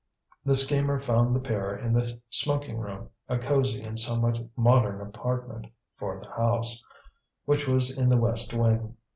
The schemer found the pair in the smoking room, a cosy and somewhat modern apartment for the house which was in the west wing.